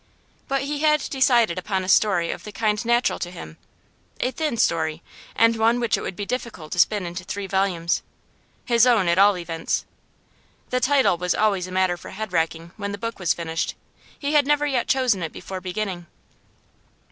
But he had decided upon a story of the kind natural to him; a 'thin' story, and one which it would be difficult to spin into three volumes. His own, at all events. The title was always a matter for head racking when the book was finished; he had never yet chosen it before beginning.